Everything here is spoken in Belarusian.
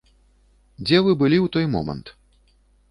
Дзе вы былі ў той момант?